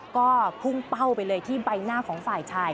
ก็พุ่งเป้าไปเลยที่ใบหน้าของฝ่ายชาย